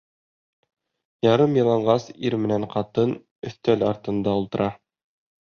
Ярым яланғас ир менән ҡатын өҫтәл артында ултыра.